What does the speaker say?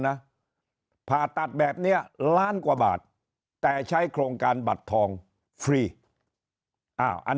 นะผ่าตัดแบบนี้ล้านกว่าบาทแต่ใช้โครงการบัตรทองฟรีอ้าวอัน